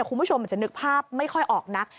คุณผู้ชมอาจจะนึกภาพไม่ค่อยออกนัก